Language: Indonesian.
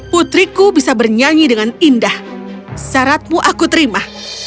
putriku bisa bernyanyi dengan indah syaratmu aku terima